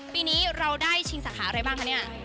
ปีนี้เราได้ชิงสาขาอะไรบ้างคะเนี่ย